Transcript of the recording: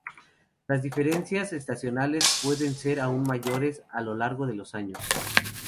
Las diferencias estacionales pueden ser aún mayores a lo largo de los años.